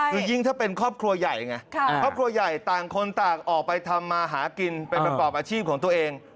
คือยิ่งถ้าเป็นครอบครัวใหญ่ไงครอบครัวใหญ่ต่างคนต่างออกไปทำมาหากินไปประกอบอาชีพของตัวเอง